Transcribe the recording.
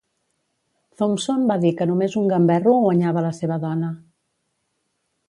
Thompson va dir que només un gamberro guanyava la seva dona.